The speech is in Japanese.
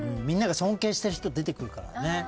みんなが尊敬してる人出てくるからね。